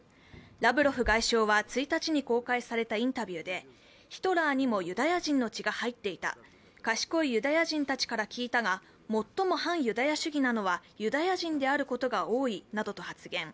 ラブロフ外相は１日に公開されたインタビューでヒトラーにもユダヤ人の血が入っていた、賢いユダヤ人たちから聞いたが最も反ユダヤ主義なのはユダヤ人であることが多いなどと発言。